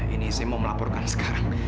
ini saya mau melaporkan sekarang